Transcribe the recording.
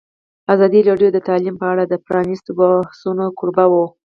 ازادي راډیو د تعلیم په اړه د پرانیستو بحثونو کوربه وه.